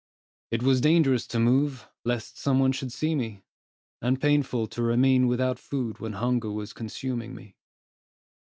It was dangerous to move, lest some one should see me, and painful to remain without food when hunger was consuming me.